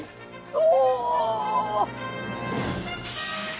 おお！